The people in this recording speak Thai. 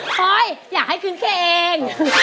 พลอยอย่าให้คืนแค่เอง